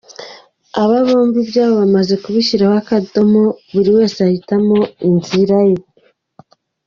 Aba bombi ibyabo bamaze kubishyiraho akadomo buri wese ahitamo inzira ye.